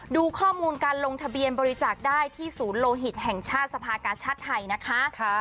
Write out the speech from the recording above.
ดูข้อมูลการลงทะเบียนบริจาคได้ที่ศูนย์โลหิตแห่งชาติสภากาชาติไทยนะคะ